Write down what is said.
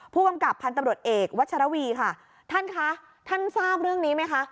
ผู้กำกับพันธุ์ตำรวจเอกวัชรวีค่ะท่านคะท่านทราบเรื่องนี้ไหมคะ